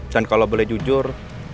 dan kalau boleh jujur